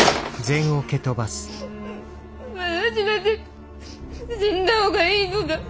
私なんて死んだ方がいいのだ。